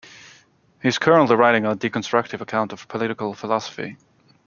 He is currently writing a deconstructive account of political philosophy.